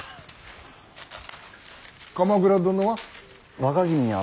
鎌倉殿は。